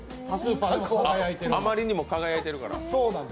あまりにも輝いてるから？